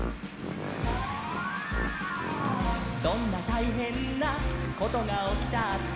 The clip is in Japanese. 「どんなたいへんなことがおきたって」